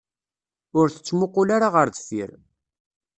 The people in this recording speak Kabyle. Ur tettmuqqul ara ɣer deffir.